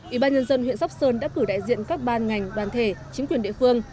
ủy ban nhân dân huyện sóc sơn đã cử đại diện các ban ngành đoàn thể chính quyền địa phương